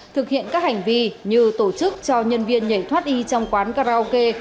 thực hiện các hành vi như tổ chức cho nhân viên nhảy thoát y trong quán karaoke